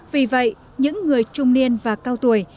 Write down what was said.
vì vậy những người trung niên và cao tuổi